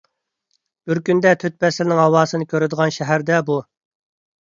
بىر كۈندە تۆت پەسىلنىڭ ھاۋاسىنى كۆرىدىغان شەھەر-دە بۇ!